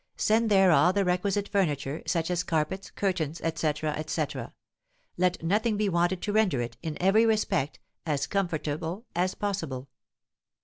Send there all the requisite furniture, such as carpets, curtains, etc., etc. Let nothing be wanted to render it, in every respect, as comfortable as possible.'